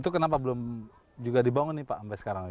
itu kenapa belum dibuat nih pak sampai sekarang